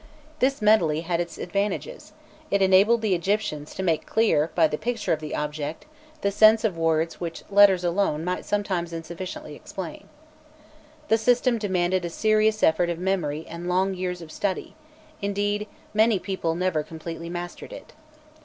This medley had its advantages; it enabled the Egyptians to make clear, by the picture of the object, the sense of words which letters alone might sometimes insufficiently explain. The system demanded a serious effort of memory and long years of study; indeed, many people never completely mastered it.